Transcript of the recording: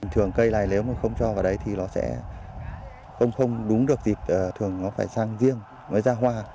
thường cây này nếu mà không cho vào đấy thì nó sẽ không đúng được dịp thường nó phải sang riêng mới ra hoa